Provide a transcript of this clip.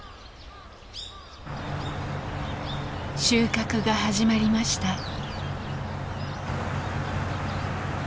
収穫が始まりました。